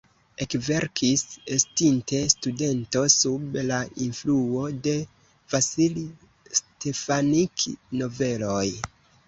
Ekverkis estinte studento sub la influo de Vasil Stefanik-noveloj.